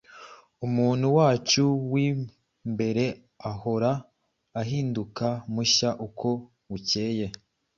umuntu wacu w’imbere ahora ahinduka mushya uko bukeye.”